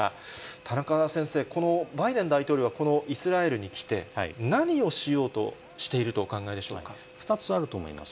田中先生、このバイデン大統領はこのイスラエルに来て、何をしようとしてい２つあると思います。